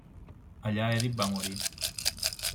Allà Èdip va morir.